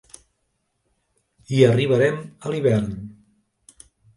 Hi arribarem a l'hivern.